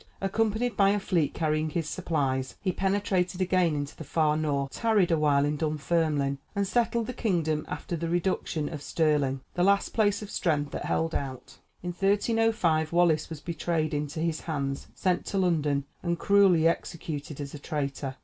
Accompanied by a fleet carrying his supplies, he penetrated again into the far North, tarried a while in Dunfermline, and settled the kingdom after the reduction of Stirling, the last place of strength that held out. In 1305 Wallace was betrayed into his hands, sent to London, and cruelly executed as a traitor.